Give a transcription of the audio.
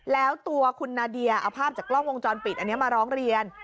แล้วตัวคุณนาเดียเอาภาพจากกล้องวงจรปิดอันนี้มาร้องเรียน